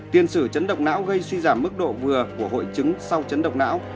tiền sử chấn độc não gây suy giảm mức độ vừa của hội chứng sau chấn độc não